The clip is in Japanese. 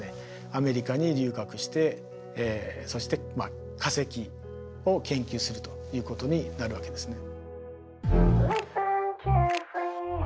アメリカに留学してそしてまあ化石を研究するということになるわけですね。